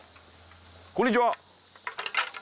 こんにちは！